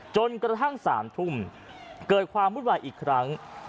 จนกระทั่ง๓ทุ่มเกิดความวุ่นวายอีกครั้ง